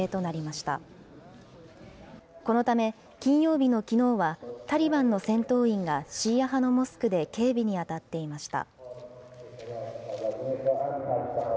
このため、金曜日のきのうはタリバンの戦闘員がシーア派のモスクで警備に当たっていました。